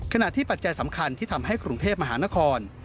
ขณะที่ปัจจัยสำคัญที่ทำให้กรุงเทพมหานคร